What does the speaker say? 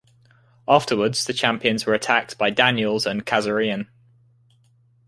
Afterwards, the champions were attacked by Daniels and Kazarian.